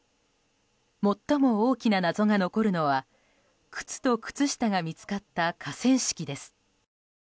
最も大きな謎が残るのは靴と靴下が見つかった河川敷です。